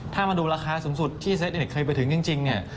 ถ้ามาดูราคาสูงสุดที่เซ็ตเคยไปถึงจริงเนี่ย